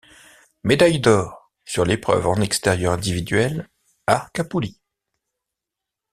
Médaille d'or sur l'épreuve en extérieur individuel arc à poulies.